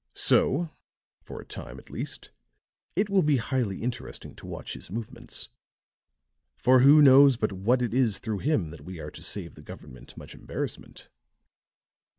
So, for a time at least, it will be highly interesting to watch his movements; for who knows but what it is through him that we are to save the government much embarrassment."